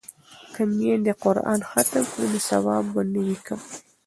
که میندې قران ختم کړي نو ثواب به نه وي کم.